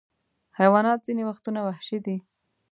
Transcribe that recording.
حیوانات ځینې وختونه وحشي دي.